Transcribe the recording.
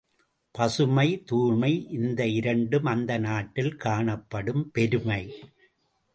பசுமை தூய்மை இந்த இரண்டும் அந்த நாட்டில் காணப்படும் பெருமை.